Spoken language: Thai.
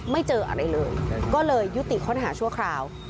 เจออะไรเลยก็เลยยุติค้นหาชั่วคราว